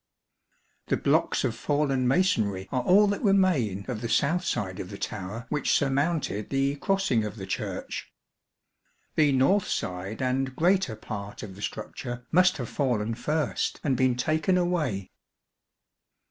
The blocks of fallen masonry are all that remain of the south side of the tower which surmounted the crossing of the Church. The north side and greater part of the structure must have fallen first and been taken away.